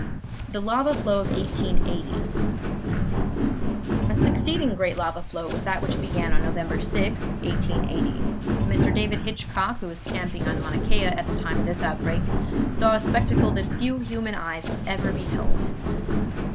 THE LAVA FLOW OF 1880 A succeeding great lava flow was that which began on November 6, 1880. Mr. David Hitchcock, who was camping on Mauna Kea at the time of this outbreak, saw a spectacle that few human eyes have ever beheld.